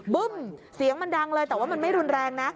บึ้มเสียงมันดังเลยแต่ว่ามันไม่รุนแรงนะ